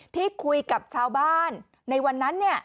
ที่คุยกับชาวบ้านในวันนั้น